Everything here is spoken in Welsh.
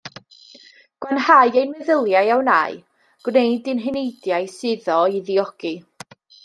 Gwanhau ein meddyliau a wnâi, gwneud i'n heneidiau suddo i ddiogi.